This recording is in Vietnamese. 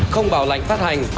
không bảo lãnh phát hành